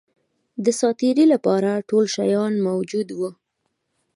د سات تېري لپاره ټول شیان موجود وه.